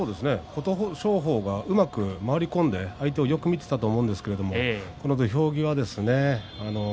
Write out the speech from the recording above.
琴勝峰がうまく回り込んで相手をよく見ていたと思うんですが、土俵際ですね。